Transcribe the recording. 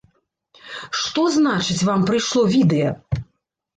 Што значыць, вам прыйшло відэа?